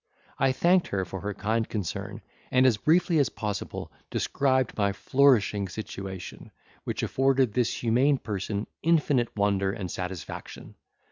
I thanked her for her kind concern, and as briefly as possible described my flourishing situation, which afforded this humane person infinite wonder and satisfaction.